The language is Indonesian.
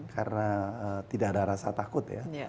karena tidak ada rasa takut ya